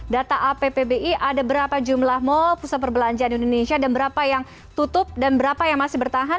data appbi ada berapa jumlah mall pusat perbelanjaan di indonesia dan berapa yang tutup dan berapa yang masih bertahan